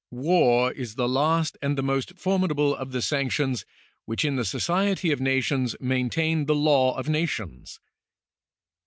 War is the last and the most formidable of the sanctions which in the society of nations maintain the law of nations.